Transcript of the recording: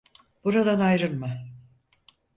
Buradan ayrılma.